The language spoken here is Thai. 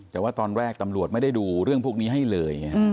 แต่ว่าตอนแรกตำรวจไม่ได้ดูเรื่องพวกนี้ให้เลย